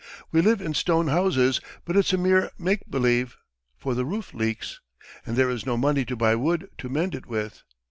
... We live in stone houses, but it's a mere make believe ... for the roof leaks. And there is no money to buy wood to mend it with."